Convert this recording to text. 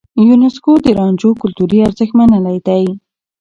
يونيسکو د رانجو کلتوري ارزښت منلی دی.